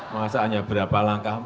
masanya berapa langkah